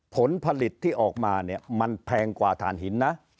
ผลผลิตที่ออกมาเนี่ยมันแพงกว่าฐานหินนะ